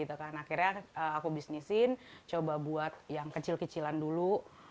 akhirnya aku bisnisin coba buat yang kecil kecilan dulu